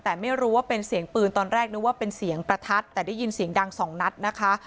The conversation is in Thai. แต่ไม่รู้ว่าเป็นเสียงปืนตอนแรกนึกว่าเป็นเสียงประทัดแต่ได้ยินเสียงดังสองนัดนะคะ